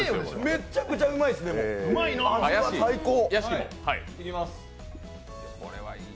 めっちゃくちゃうまいっす味は最高。